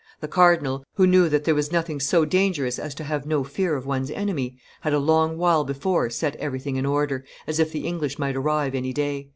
"The cardinal, who knew that there was nothing so dangerous as to have no fear of one's enemy, had a long while before set everything in order, as if the English might arrive any day."